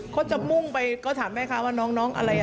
เขาจะมุ่งไปก็ถามแม่ค้าว่าน้องอะไร